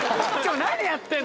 何やってるの？